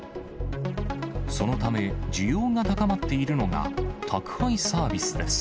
そのため、需要が高まっているのが、宅配サービスです。